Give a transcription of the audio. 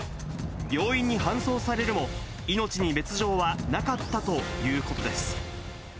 病院に搬送されるも、命に別状はなかったということです。